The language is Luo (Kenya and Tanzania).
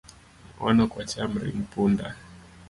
Wan ok wacham ring punda